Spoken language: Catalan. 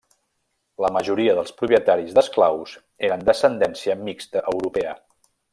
La majoria dels propietaris d'esclaus eren d'ascendència mixta europea.